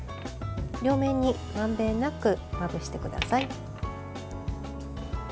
両面にまんべんなくまぶしてください。